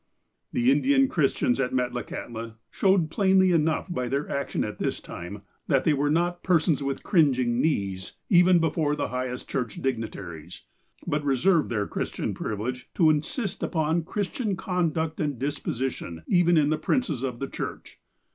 The Indian Christians at Metlakahtla showed plainly enough, by their action at this time, that they were not persons with cringing knees, even before the highest church dignitaries ; but reserved their Christian privilege to insist upon Christian conduct and disposition, even in the princes of the Church.